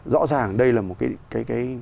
rõ ràng đây là một cái